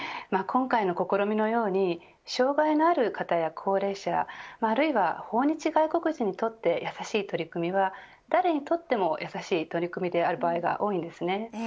今回の試みのように障害のある方や高齢者あるいは訪日外国人にとってやさしい取り組みは誰にとってもやさしい取り組みである場合が多いです。